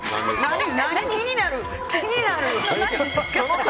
気になる！